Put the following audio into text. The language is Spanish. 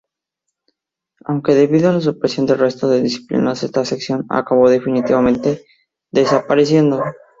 Aunque debido a la supresión del resto de disciplinas esta sección acabó definitivamente desapareciendo.